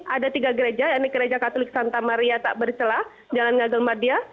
ada tiga gereja yaitu gereja katolik santa maria tak bercelah jalan gagal madya